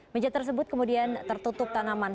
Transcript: meja tersebut kemudian tertutup tanaman